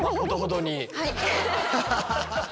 はい。